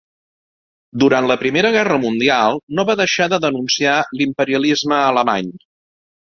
Durant la Primera Guerra mundial no va deixar de denunciar l'imperialisme alemany.